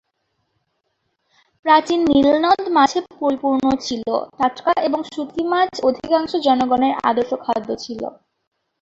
প্রাচীন নীল নদ মাছে পরিপূর্ণ ছিল; টাটকা এবং শুটকি মাছ অধিকাংশ জনগণের আদর্শ খাদ্য ছিল।